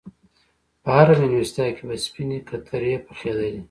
په هره میلمستیا کې به سپینې کترې پخېدلې.